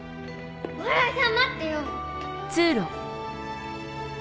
お笑いさん待ってよ。